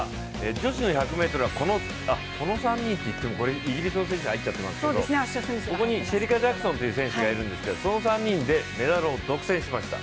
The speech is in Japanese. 女子１００ｍはこの３人、といっても、ここにはイギリスの選手が入っちゃってますけどここにシェリカ・ジャクソンという選手がいるんですけどその３人でメダルを独占しました。